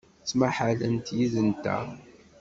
Ttmahalent yid-nteɣ.